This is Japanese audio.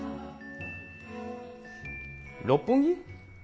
六本木？